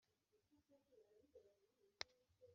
Maze numara iminsi itatu